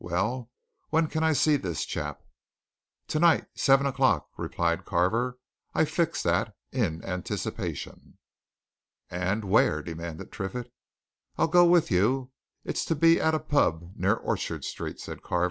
"Well, when can I see this chap?" "Tonight seven o'clock," replied Carver. "I fixed that, in anticipation." "And where?" demanded Triffitt. "I'll go with you it's to be at a pub near Orchard Street," said Carver.